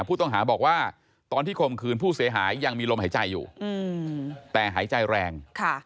ผู้ต้องหาบอกว่าตอนที่คมคืนผู้เสียหายยังมีลมหายใจอยู่แต่หายใจแรง